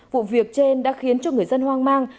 vụ việc trên đã khiến cho người dân hoang mang